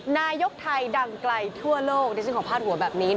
นายกไทยดังไกลทั่วโลกดิฉันขอพาดหัวแบบนี้